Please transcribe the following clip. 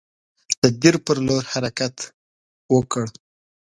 د دیر پر لور حرکت وکړ.